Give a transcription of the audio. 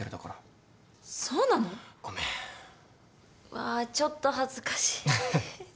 わぁちょっと恥ずかしい。